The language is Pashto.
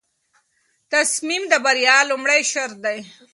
تصمیم د بریا لومړی شرط دی.